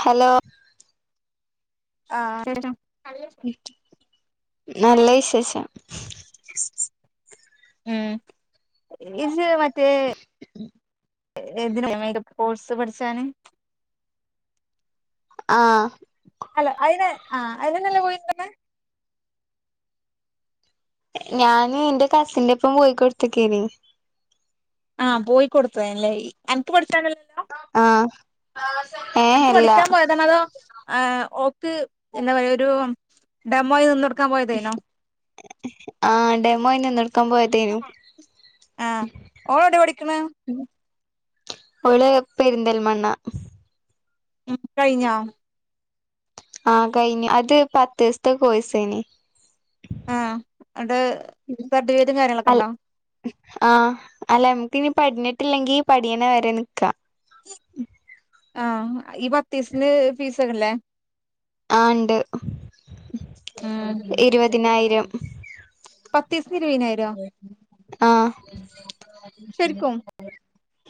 Hello..... ആ... ഉം........ നല്ല വിശേഷം. ഉം ഇജ് മറ്റേ എതിന് കോഴ്സ് പഠിച്ചാന് ആ.... അല്ല അയിന് അ അയിനന്നല്ലേ പോയിന്നത് ഞാന് ന്റെ കസിന്റെപ്പം പോയി കൊടുത്ത്ക്കേന് അ പോയി കൊടുത്തതേലെ അനക്ക് പഠിച്ചാനല്ലെ അ.. അനക്ക് പഠിക്കാൻ പോയതണതും ആ.. ഓക്ക് ഇന്ത പറയാ ഒരൂ.. ഡ മ്മായിനിന്നൊട്ക്കാൻ പോയ്തേനോ ആ.. ഡെമോയി നിന്നൊട്ക്കാൻ പോയ്തേനു അ ഓളെവ്ടെ പഠിക്കിണേ ഓള് പെരിന്തൽമണ്ണ ഉം മ് കഴിഞ്ഞോ ആ.. കഴിഞ് അത് പത്തീസത്തെ കോഴ്സേനി അ അടെ സർട്ടിഫിക്കറ്റും കാര്യങ്ങളൊക്കെണ്ടോ മ് അ അല്ല ഞമ്മക്കിനി പഠഞ്ഞിട്ടില്ലെങ്കി പഠിയിണ വരെ നിക്കാ.. അ... ഈ പത്തീസത്തിന് ഫീസൊക്കല്ലേ ആ.. ണ്ട് ഉം ഇരുപതിനായിരം പത്തീസ് അ...... ശരിക്കും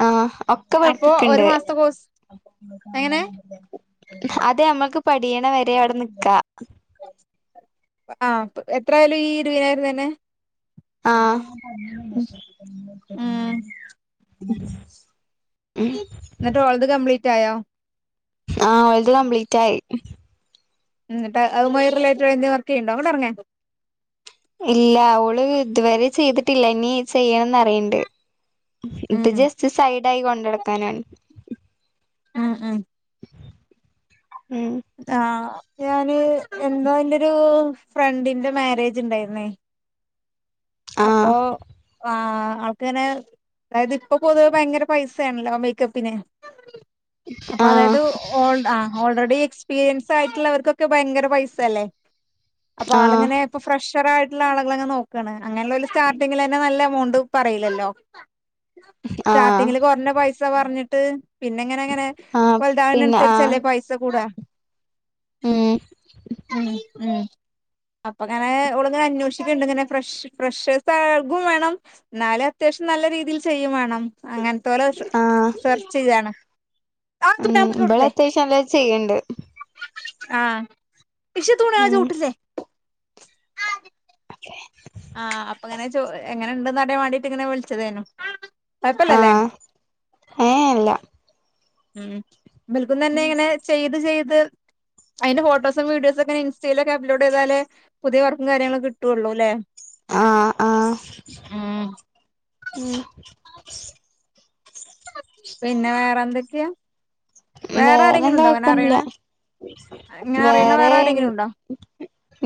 അ.... ഒക്ക അപ്പൊ ഒരു പഠിപ്പിക്ക്ണ്ട് മാസത്തെ കോഴ്സ് എങ്ങനെ മ്ഹ് അത്‌ ഞമ്മൾക്ക് പടിയിണ വരെ അവ്ടെ നിക്കാ പ് ആപ്.. എത്രായാലും ഈ ഇരുവയിനാരംതന്നെ ആ.. മ്.. ഉം മ് ന്ന്ട്ടോളത് കംപ്ലീറ്റായോ ആഹ് ഓല്ത് കംപ്ലീറ്റായി ന്നട്ട് അത്‌മായി റിലേറ്റഡായി എന്തേലും വർക്കെയ്യ്ണ്ടോ? ഇല്ലാ ഓള് ഇത് വരെ ചെയ്തിട്ടില്ല ഇനി ചെയ്യണംന്നറിണ്ട് ഇത് ഉം ജസ്റ്റ് സൈഡായി കൊണ്ടട്ക്കാനാണ്. ആഹ് ആഹ് ഉം ദാ ഞാന് എന്താന്റൊരു ഫ്രണ്ടിന്റെ മാരേജ്ണ്ടായിര്ന്നേ അപ്പോ ആഹ് ആഹ് ആൾക്ക്ങ്ങനെ അതായത് ഇപ്പൊ പൊതുവെ ഭയങ്കര പൈസേണല്ലോ മെയ്ക്കപ്പിന് അപ്പൊ ആഹ് അതായത് ഓൾ ആ ഓൾറെഡി എക്സ്പീരിയൻസായിട്ടുള്ളവർക്കൊക്കെ ഭയങ്കര പൈസല്ലേ അപ്പോ ആഹ് ആളിങ്ങനെ ഇപ്പോ ഫ്രഷറായിട്ട് ള്ള ആള്കളെ ങ്ങനെ നോക്കാണ് അങ്ങനെയുള്ളോര് സ്റ്റാർട്ടിങ്ങിലെന്നെ നല്ല എമൗണ്ട് പറീല്ലല്ലോ. ആഹ് സ്റ്റാർട്ടിങ്ങില് കൊർഞ്ഞ പൈസ പറഞ്ഞിട്ട് പിന്നെ ങ്ങനെങ്ങനെ ആഹ് പിന്നെ ആഹ് വൽതാവുന്നൻസര്ച്ചല്ലേ പൈസ കൂടാ ഉം ഉം ഉം അപ്പ ങ്ങനെ ഓള് ങ്ങനെ അന്വോഷിക്ക്ണ്ട് ങ്ങനെ ഫ്രഷ് ഫ്രഷേർസ്സാൽകും വേണം ന്നാലും അത്യാവശ്യം നല്ല രീതിയിൽ ചെയ്യും വേണം അങ്ങൻ തോലെ ഷ്ഷ് ആഹ് സെർചെയ്യാണ്. ഉം ഉം ഇബള് അത്യാവശ്യ ല്ലോം ചെയ്യ്ണ്ട്. ആഹ് ഉം ആഹ് അപ്പ ങ്ങനെ ചോ എങ്ങനെണ്ട്ന്നറിയാൻ വേണ്ടീട്ട് ങ്ങനെ വിൽച്ചതേനു. ആഹ് ഏഹ് ഇല്ല ഉം ഇബൽക്കുംന്നന്നെ ഇങ്ങനെ ചെയ്ത് ചെയ്ത് അയ്ന്റെ ഫോട്ടോസും വീഡിയോസും ഒക്കെ ഇൻസ്റ്റയിലൊക്കെ അപ് ലോഡ് ചെയതാല് പുതിയ വർക്കും കാര്യങ്ങളൊക്കെ കിട്ടുവൊള്ളൂ ല്ലേ ആഹ് ആഹ് ഊം പിന്നെ വേറെ എന്തൊക്കെയാ വേറെ ആരെങ്കിലും വേറെന്താ ഉണ്ടോ അങ്ങനെ അറിയണ കൊഴപ്പൊന്നില്ല ഇങ്ങനെ അറിയണ വേറേ വേറെ എൻ ആരെങ്കിലും ഉണ്ടോ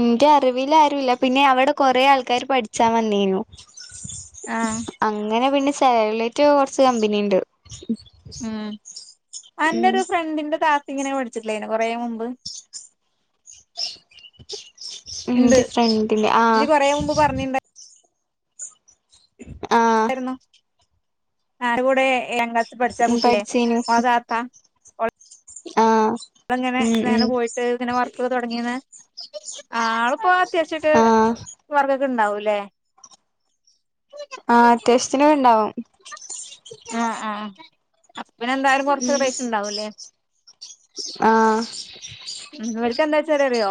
ന്റെ അറിവില് ആരുല്ല പിന്നെ അവിടെ കൊറെ ആൾക്കാര് പഠിച്ചാൻ വന്നീനു ആഹ് അങ്ങനെ പിന്നെ [unintelligible] യിട്ട് കൊറച്ച് കമ്പനിണ്ട് മ്മ് അന്റെ ഒരു ഫ്രണ്ടിന്റെ താത്ത് ഇങ്ങനെ പഠിച്ചിട്ടില്ലായിനോ കൊറേ മുമ്പ് ഇണ്ട് ഇന്റെ ഫ്രണ്ടിന്റെ ഇജ്ജ് ആഹ് കൊറേ മുമ്പ് പറഞ്ഞിണ്ടാ ആഹ് രുന്നു ആരെ കൂടേ ഏഴാം ക്ലാസിൽ പഠച്ചാ ഉം കുട്ടിയേ പഠിച്ചീനു ഓളെ താത്ത ആഹ് ഓള്ങ്ങനെ ഉം ഉം [unintelligible] പോയിട്ട് ഇങ്ങനെ വർ [unintelligible] തൊടങ്ങിയെന്ന്ആഹ് ആളിപ്പോ അത്യാവശ്യൊക്കെ ആഹ് വർക്കൊ ക്കെണ്ടാവൂല്ലേ ആഹ് അത്യാവശ്യത്തിന് ഇണ്ടാവും ആഹ് ആഹ് പിന്നെ എന്തായാലും കൊറച്ച് റേറ്റ് ഉണ്ടാവുല്ലേ ആഹ് മ്മ് ഇവൽക്ക് എന്താ വെച്ചാല് അറിയോ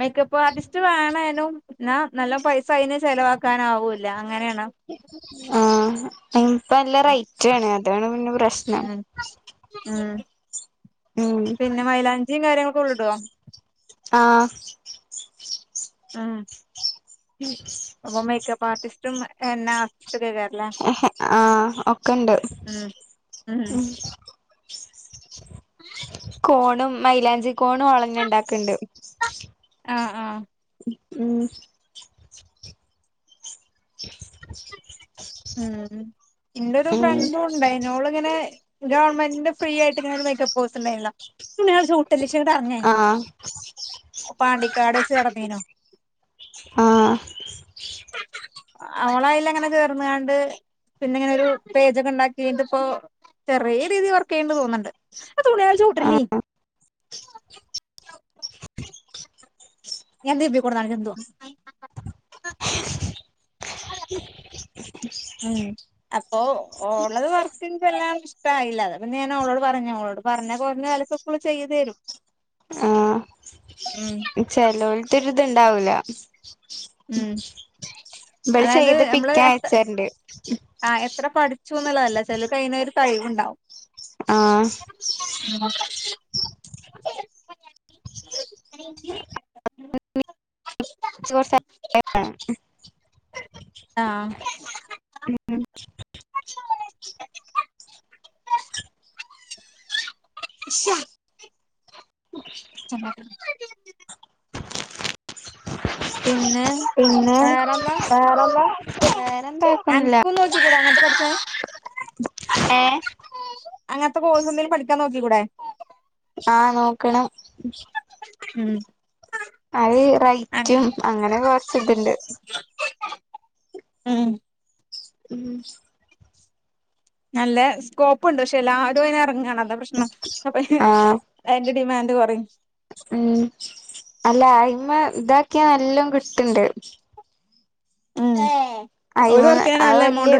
മേക്കപ്പ് ആർട്ടിസ്റ്റ് വേണാനും എന്നാ നല്ല പൈസ അയ്ന് ചെലവാക്കാന് ആവൂല്ല ആഹ് ഇപ്പം നല്ല റേറ്റ് ആണ് അതാണ് പിന്നെ പ്ര മ്മ് മ്മ് ഉം പിന്നെ മൈലാഞ്ചിയും കാര്യങ്ങളൊക്കെ ഓളിടോ ആഹ് മ്മ് അപ്പൊ മേക്കപ്പ് ആർട്ടിസ്റ്റും എന്നാ ആഹ് ഒക്കെണ്ട് ഉം ഉം മ്മ് കോണും മൈലാഞ്ചി കോണും ഓളന്നെ ഉണ്ടാക്കണ്ട് ആഹ് ആഹ് മ്മ് എൻ്റെ ഒരു ഉം ഫ്രണ്ടും ഉണ്ടായിന് ഓളിങ്ങനെ ഗവൺമെന്റിന്റെ ഫ്രീ ആയിട്ട് ഇങ്ങനെ ഒരു മേക്കപ്പ് കോഴ്‌സ് ഉണ്ടാരുന്നല്ലോ പത്ത ലക്ഷം ക പറഞ്ഞേ ആഹ് പാണ്ടിക്കാട് വെച്ച് കടന്നീനോ [unintelligible] ആ അവളായില എങ്ങനെ ചേർന്ന കണ്ട് പിന്നെ ഇങ്ങനെൊ ഒരു പേജൊക്കെ ഉണ്ടാക്കി് ഇപ്പോ ചെറിയ രീതിൽ വർക്ക് ചെയ്യണ്ടി തോന്നുന്നുണ്ട് ആ തുണയാൾ ആഹ് ചവിട്ടലി ഞാൻന്ത്ബ കൊടുതണിക്കന്ത ഉം അപ്പൊ ഉള്ളത് വർക്കില്ല ഇഷ്ടമായില്ല അ അപ്പൊ ഞാൻ അവളോട് പറഞ്ഞ അവളോട് പറഞ്ഞ കുഞ്ഞ ക്ക ചെയ്തു തരും ആഹ ഉം ചെലോലത്തരി ഇത്ണ്ടാവൂല ഉം ഇബള് ചെയ്ത് പിക്കാൻ അയച്ചാറുണ്ട് ആഹ എത്ര പഠിച്ചുന്നുള്ളതല്ല ചെല ക അയിനൊ ഒരു കഴിവുണ്ടാാവും ആഹ് ആ വർഷ ആഹ ശ ചട്ട പിന്നെ പിന്നെ വേറെന്താ വേറെല്ല വേറെന്താ കേക്കുന്നില്ല അനക്കും നോക്കിക്കൂടെ അങ്ങനത്തെ പഠിച്ചാൻ ഏ അങ്ങനത്തെ കോഴ്സ് എന്തെങ്കിലും പഠിക്കാൻ നോക്കിിക്കൂടെ ആഹ നോക്കണം ഉം അത് റൈറ്റും അങ്ങനെ കൊറച്ച ഇതുണ്ട് ഉം ഉം [unintelligible] നല്ല സ്കോപ്പ്ുണ്ട് പക്ഷെ എല്ലാവരും അെ ഇറങ്ങണം [unintelligible] പ്രശ്നം അപ്പൊ ആഹ് അതിന്റെ ഡിമാൻഡ് കുറയും [unintelligible] ഉം അല്ല അയി്മ ഇതാക്കിയ നല്ലോ കിട്ടണ്ട് ആ അയിന്ന് അത് വല്യ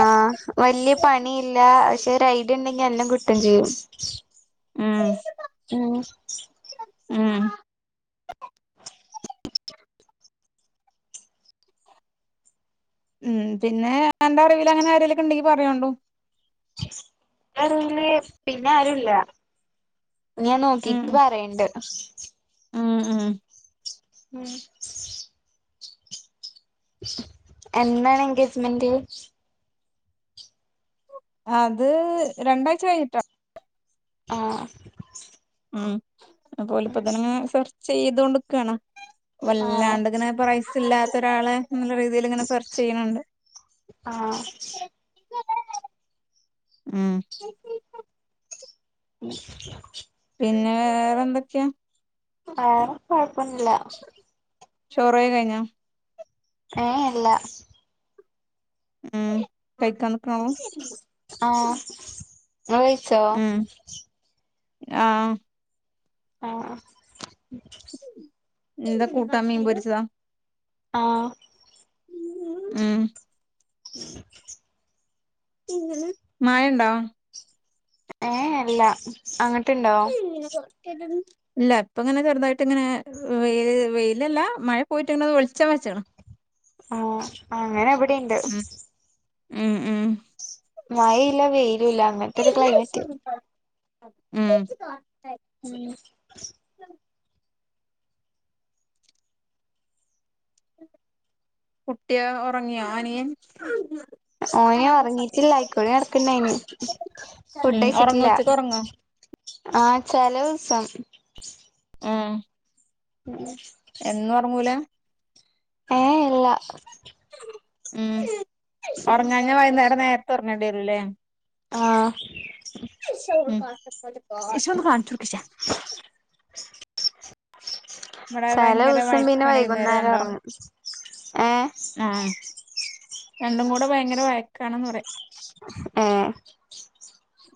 ആ വല്യ പണിയില്ല പക്ഷെ ഐഡിയ ഉണ്ടെങ്കി എല്ലാം കിട്ടം ചെയ്യും ഉം ഉ ആഹ ഉം പിന്നെ എന്റെ അറിവിൽ അങ്ങനെ ആരെലൊക്കെ ഉണ്ടെങ്കി പറയണ്ടോ റി പിന്നെ ആരുുല്ല ഞാൻ ഉം നോക്കിട്ട് പറയണ്ട് ഉം ഉ ഉം എന്താണ് എൻഗേജ്മെന്റ് അത് രണ്ടാഴ്ച കായിട്ടാ ആഹ ഉ അ പോല ഇപ്പ തനങ്ങനെ സെർച്ച് ചെയ്തുകൊണ്ട്ിക്കുകയണ ആഹ് വല്ലാണ്ട്ിങ്ങനെ പ്രൈസ ഇല്ലാത്ത ഒരാള് നല്ല രീതിൽ ഇങ്ങനെ സെർച്ച് ചെയ്യണണ്ട് ആഹ് ഉ ഉ [unintelligible] പിന്നെ വേറെ എന്തൊക്കെയാ വറെ കൊഴപ്പന്നില്ല ചോറയ കഴിഞ്ഞോ ഏ അല്ല ഉം കൈിക്കാന പ്രോ ഇങ്ങ്ള്ഴിസോ ആഹ ആഹ എന്താ കൂട്ടാ മീൻ പൊരിച്ചതാ ആഹ ഉഹ ഉം മയണ്ടാവോ ഏ അല്ല അങ്ങ ഊം ഇതങ്ങനെ തുറക്കല് ഇല്ല ഇപ്പ ഇങ്ങനെ ചെറുതായിട്ട് ഇങ്ങനെ വെൽ വെയിലല്ല മഴ പോയിട്ട് ഇങ്ങനെത് വെളിച്ചം വെച്ചണം ആ അങ്ങനെ എവിടെുണ്ട് ഉം ഉം ഉം [unintelligible] മഴയില്ല വെയിലുംല്ല അങ്ങനത്തെ ഒരു ക്ലൈമറ്റ് ഉം ഉം [unintelligible] കുട്ടിയ ഉറങ്ങിയ അനിയൻ ഓന ഉറങ്ങിട്ടില്ല ആയിക്കോടി നടക്കണ്ടായിന് ഫുഡ ഉം അഴച്ചിട്ടില്ല ഒറങ്ങോ ഉച്ചക്ക് ഒറങ്ങോ ആഹ ചല ദിവസം ആഹ ഉം [unintelligible] ഏ ഇല്ല [unintelligible] ഉം ഉഞ്ഞ കഴഞ്ഞാ വൈകുന്നേരം നേരത്തെ ഉറങ്ങേണ്ടരല്ലേ ആഹ [unintelligible] ഇഷ ദുകാന ർക്കിച്ച ചില ദിവസം പിന്നെ വഴക്കാണ് വൈന്നേരം വൈകുന്നേരം രണ്ടാളും ഇറങ്ങും ആഏ ആഹ് [unintelligible] രണ്ടും കൂടെ ഭയങ്കര വയക്കാണന്ന് പറയാ ആഹ [unintelligible]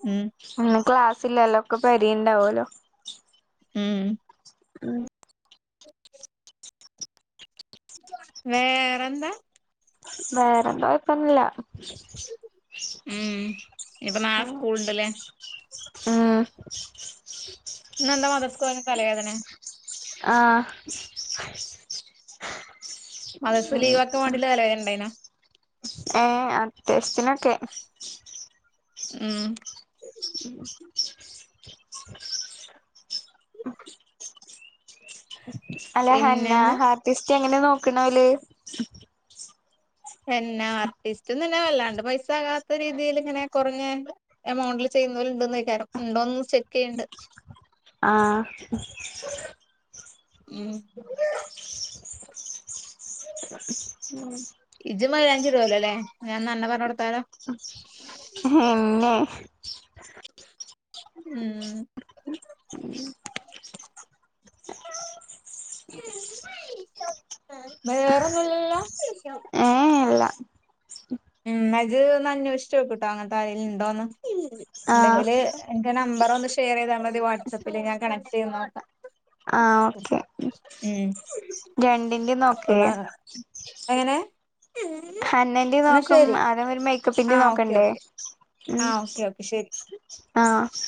ഉം [unintelligible] പി ക്ലാസ്ില്ലല്ല ഒക്കെ പരിയണ്ടാവല്ലോ ഉം ഉം [unintelligible] [inaudible] വേറെന്താ വേറെന്താ ഇയപ്പന്നില്ല ഉം ഇപ്പൊ നാ സ്കൂൾ ഉണ്ടല്ലേ ആഏ ന്താ മതർ സ്കൂറിന്റെ തലവേദന ആ മദർസ്സ് ലീവാക്കാ വേണ്ടിട്ട് തലവേദന ഉണ്ടായിന്നേ ഏ അത്യാവശത്തിനൊക്കെ ഉം [unintelligible] അല്ല ഹന്നാ പിന്നെന്താ ഹാർട്ടിസ്റ്റ് എങ്ങനെ നോക്കണല് എന്നെ ആർട്ടിസ്റ്റ് തന്നെ വല്ലാണ്ട് പൈസകാത്ത രീതി ല് ഇങ്ങനെ കുറഞ്ഞ എമൗണ്ടില് ചെയ ണ്ടോന്ന്ക്കറം ഉണ്ടോന്ന് ചെക്ക് ചെയ്യണ്ട് ആഹ് ഉം ഉം ഇജ് മയിലാഞ്ചി ഇടുല്ലോല്ലേ പിന്നെ ഉം ഉ [inaudible] വേറെയൊന്നുല്ലല്ലോ ഉ ഉം അത് ഒന്നനേഷിച്ചു നോക്കുട്ടോ അങ്ങനത്തെ ആരെലും ഉണ്ടോന്ന് ആഹ് ഉണ്ടെങ്കിൽ എന്റെ നമ്പറ് ഒന്ന് ഷെയർ ചെയ്താ മതി വാട്സആപ്പില് ഞാൻ കണക്ട് ചെയ്തു നോക്കാം ആഹ് ഓക്കെ ഉം രണ്ടിന്റെ നോക്ക് അപ്പൊന്നാ എങ്ങനെ ഹന്നന്റെ എന്നാ നോക്ക് ശരി അനാവരുമ്പോ മേക്കപ്പിന്റെ നോക്കണ്ടേ ഉം ആഹ് ഓക്കെ ഓക്കെ ശരി ആഹ്